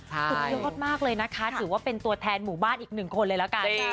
สุดยอดมากเลยนะคะถือว่าเป็นตัวแทนหมู่บ้านอีกหนึ่งคนเลยละกัน